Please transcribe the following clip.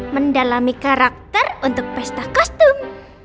mendalami karakter untuk pesta kostum